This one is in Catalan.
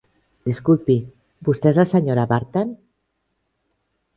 Disculpi, vostè és la senyora Vartan?